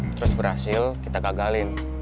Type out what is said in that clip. terus berhasil kita gagalin